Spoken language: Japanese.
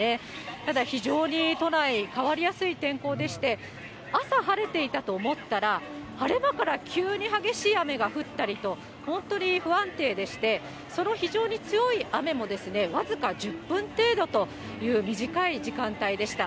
ただ非常に都内、変わりやすい天候でして、朝晴れていたと思ったら、晴れ間から急に激しい雨が降ったりと、本当に不安定でして、その非常に強い雨も、僅か１０分程度という短い時間帯でした。